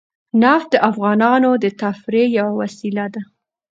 نفت د افغانانو د تفریح یوه وسیله ده.